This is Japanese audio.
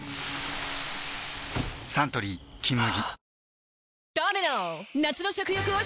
サントリー「金麦」